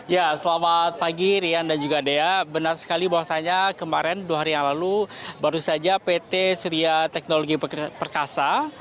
ya selamat pagi rian dan juga dea benar sekali bahwasannya kemarin dua hari yang lalu baru saja pt surya teknologi perkasa